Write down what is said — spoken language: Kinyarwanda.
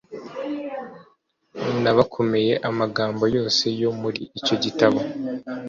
n abakomeye Amagambo yose yo muri icyo gitabo